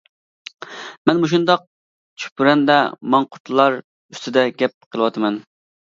مەن مۇشۇنداق چۈپرەندە ماڭقۇرتلار ئۈستىدە گەپ قىلىۋاتىمەن.